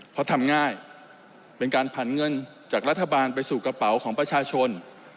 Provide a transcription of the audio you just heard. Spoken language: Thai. เพราะทำง่ายเป็นการผันเงินจากรัฐบาลไปสู่กระเป๋าของประชาชน